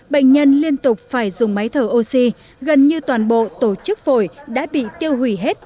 bệnh nhân liên tục phải dùng máy thở oxy gần như toàn bộ tổ chức phổi đã bị tiêu hủy hết